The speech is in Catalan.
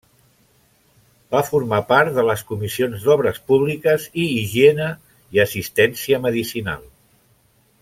Va formar part de les Comissions d'Obres Públiques i Higiene i Assistència Medicinal.